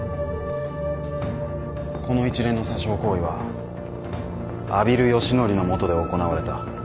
この一連の詐称行為は阿比留佳則の下で行われた。